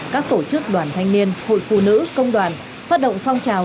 các tổ chức đoàn thanh niên hội phụ nữ công đoàn phát động phong trào